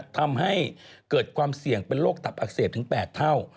ทำให้เกิดความเสี่ยงเป็นโรคตับอักเสบถึง๘เท่า